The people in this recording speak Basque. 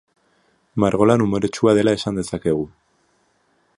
Margolan umoretsua dela esan dezakegu.